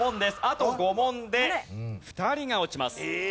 あと５問で２人が落ちます。